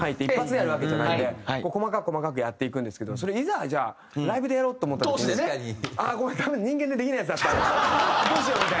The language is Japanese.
一発でやるわけじゃないんで細かく細かくやっていくんですけどそれをいざじゃあライブでやろうと思った時に「あっごめん！多分人間でできないやつだったわ」。